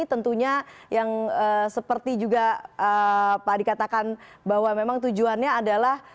tentunya yang seperti juga pak adi katakan bahwa memang tujuannya adalah